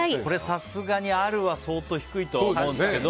さすがにあるは相当低いと思うけど。